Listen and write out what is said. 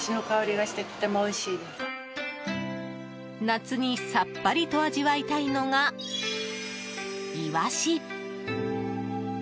夏にさっぱりと味わいたいのがイワシ。